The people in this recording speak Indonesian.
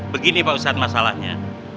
begini pak ustadz masalahnya